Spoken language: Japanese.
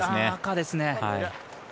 赤ですね。